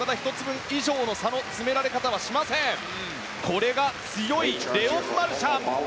これが強いレオン・マルシャン！